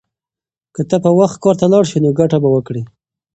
که ته په وخت کار ته لاړ شې نو ګټه به وکړې.